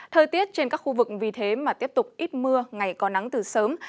thời tiết trên các khu vực vì thế mà tiếp tục ít mưa ngày có nắng từ sớm